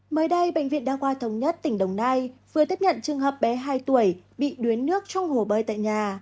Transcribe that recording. mới đây bệnh viện đa khoa thống nhất tỉnh đồng nai vừa tiếp nhận trường hợp bé hai tuổi bị đuối nước trong hồ bơi tại nhà